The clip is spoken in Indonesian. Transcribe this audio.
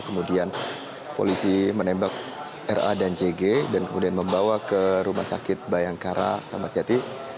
kemudian polisi menembak ra dan jg dan kemudian membawa ke rumah sakit bayangkara ramadjati